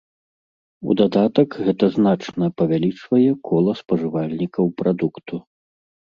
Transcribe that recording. У дадатак гэта значна павялічвае кола спажывальнікаў прадукту.